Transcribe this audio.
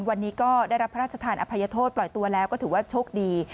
วันนี้ก็ได้รับพระราชทานอภัยโทษปล่อยตัวแล้วก็ถือว่าโชคดี